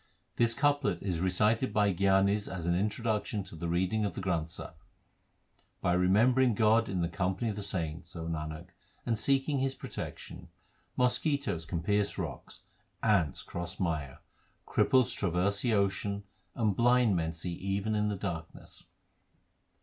This couplet is recited by gyanis as an introduction to the reading of the Granth Sahib : By remembering God in the company of the saints, Nanak, and seeking His protection, Mosquitoes can pierce rocks, ants cross mire, Cripples traverse the ocean, and blind men see even in the darkness.